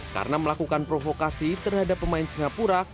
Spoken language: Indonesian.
karena melakukan provokasi terhadap pemain singapura